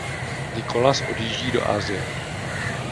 Nicolas odjíždí do Asie.